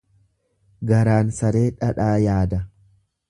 Garaan saree dhadhaa yaada.